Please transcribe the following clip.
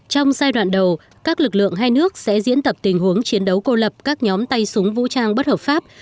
trong giai đoạn đầu các lực lượng hai nước sẽ diễn tập tình huống chiến đấu cô lập các nhóm tay súng vũ trang bất hợp pháp